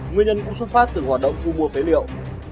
nguyên nhân cũng xuất phát từ hoạt động thu mua phế liệu